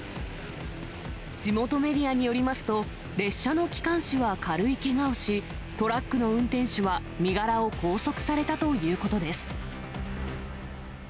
地元メディアによりますと、列車の機関士は軽いけがをし、トラックの運転手は身柄を拘束されたということです。